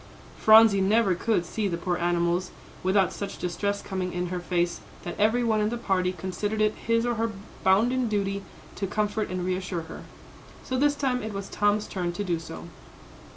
Phronsie never could see the poor animals, without such distress coming in her face that every one in the party considered it his or her bounden duty to comfort and reassure her. So this time it was Tom's turn to do so.